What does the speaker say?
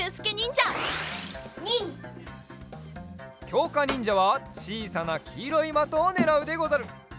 きょうかにんじゃはちいさなきいろいまとをねらうでござる。